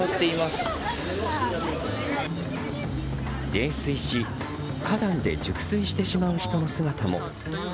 泥酔し、花壇で熟睡してしまう人の姿も。